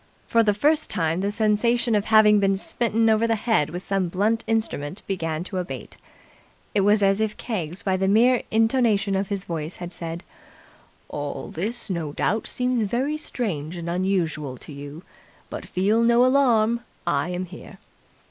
For the first time the sensation of having been smitten over the head with some blunt instrument began to abate. It was as if Keggs by the mere intonation of his voice had said, "All this no doubt seems very strange and unusual to you, but feel no alarm! I am here!"